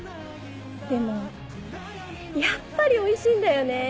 でもやっぱりおいしいんだよね。